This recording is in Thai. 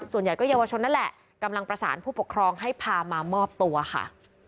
ส่วนใหญ่ก็เยาวชนนั่นแหละกำลังประสานผู้ปกครองให้พามามอบตัวค่ะ